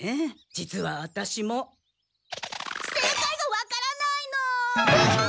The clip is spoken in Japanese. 実はワタシも正解がわからないの！